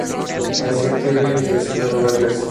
Nació en Cleveland y creció en Nueva Jersey.